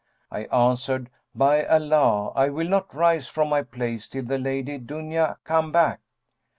I answered, 'By Allah, I will not rise from my place till the Lady Dunya come back.'